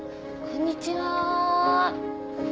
こんにちは。